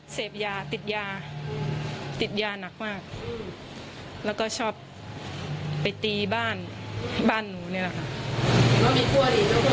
เสพยาติดยาติดยาหนักมากแล้วก็ชอบไปตีบ้านบ้านหนูนี่แหละค่ะ